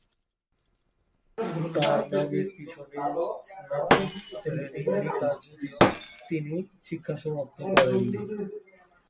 তার নামের পিছনে স্নাতক শ্রেণী লিখা যদিও তিনি শিক্ষা সমাপ্ত করেননি।